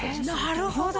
なるほど！